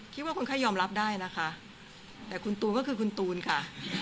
คนไข้ยอมรับได้นะคะแต่คุณตูนก็คือคุณตูนค่ะ